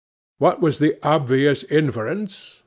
What was the obvious inference?